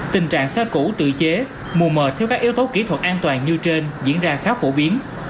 tình trạng xe cũ tự chế mù mờ theo các yếu tố kỹ thuật an toàn như trên diễn ra khá phổ biến